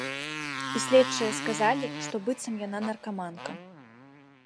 І следчыя сказалі, што быццам яна наркаманка.